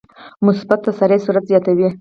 مثبت تسارع سرعت زیاتوي.